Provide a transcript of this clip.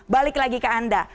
balik lagi ke anda